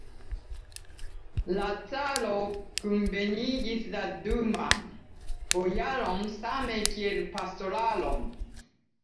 La caro kunvenigis la Duma'n: bojarojn same kiel pastraron.